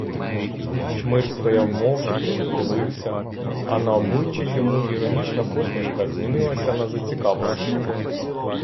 Чмир стояв мовчки, дивився, а на обличчі йому іронічна посмішка змінилася на зацікавлення.